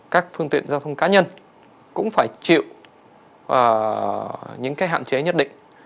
các phương tiện giao thông cá nhân cũng phải chịu những cái hạn chế nhất định